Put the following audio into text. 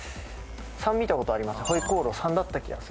３見たことあります